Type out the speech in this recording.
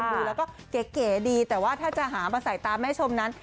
ดูแล้วก็เก๋ดีแต่ว่าถ้าจะหามาใส่ตาแม่ชมนั้น